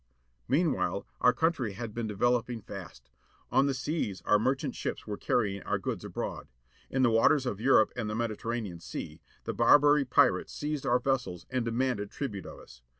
Meanwhile our country had been developing fast. On the seas our merchant ships were carrying our goods abroad. In the waters of Europe and the Mediter ranean Sea â the Barbary pirates seized our vessels, and demanded tribute of us.